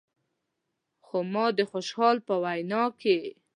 خو ما د خوشحال په وینا کې.